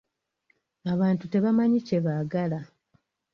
Abantu tebamanyi kye baagala.